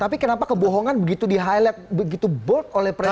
tapi kenapa kebohongan begitu di highlight begitu board oleh presiden